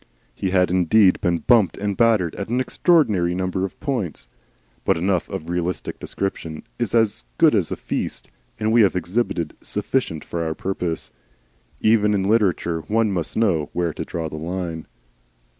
He had indeed been bumped and battered at an extraordinary number of points. But enough of realistic description is as good as a feast, and we have exhibited enough for our purpose. Even in literature one must know where to draw the line.